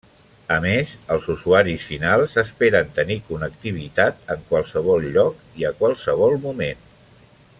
A més, els usuaris finals esperen tenir connectivitat en qualsevol lloc i a qualsevol moment.